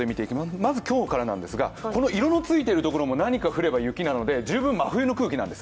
まず今日からなんですが、この色の着いているところも何か降れば雪なので十分真冬の空気なんです。